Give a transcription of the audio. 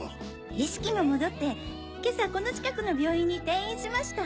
意識が戻って今朝この近くの病院に転院しました。